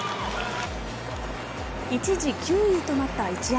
一時９位となった一山。